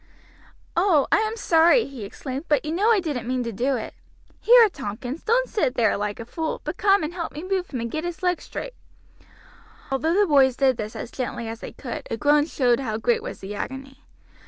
"Oh! I am sorry," he exclaimed; "but you know I didn't mean to do it. Here, Tompkins, don't sit there like a fool, but come and help me move him and get his leg straight." Although the boys did this as gently as they could, a groan showed how great was the agony.